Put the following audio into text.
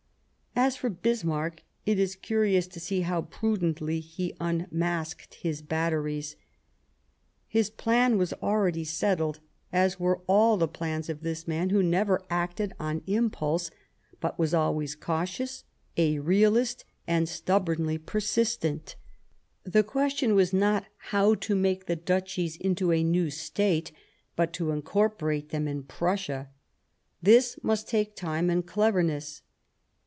As for Bismarck, it is curious to see how prudently he unmasked his batteries. His plan was already settled, as were all the plans of this man, who never acted on impulse, but was always cautious, a realist, and stubbornly persistent. The question was not how to make the Duchies into a new State, but to incorporate them in Prussia. This must take time and cleverness.